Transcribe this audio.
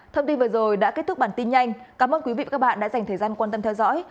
thông tin vừa rồi đã kết thúc bản tin nhanh cảm ơn quý vị và các bạn đã dành thời gian quan tâm theo dõi